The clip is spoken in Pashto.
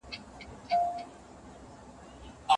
بریالي کسان به خپل اندونه څرګندوي.